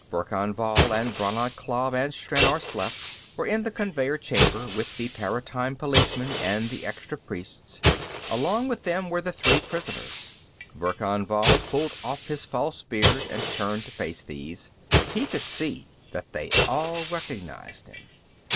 Verkan Vall and Brannad Klav and Stranor Sleth were in the conveyer chamber, with the Paratime Policemen and the extra priests; along with them were the three prisoners. Verkan Vall pulled off his false beard and turned to face these. He could see that they all recognized him.